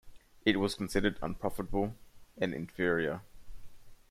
It was considered unprofitable and inferior.